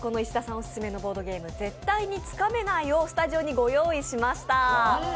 オススメのボードゲーム、「絶対につかめない！？」をスタジオにご用意しました。